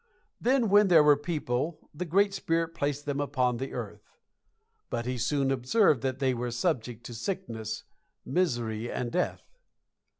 Then when there were people the Great Spirit placed them upon the earth; but he soon observed that they were subject to sickness, misery and death.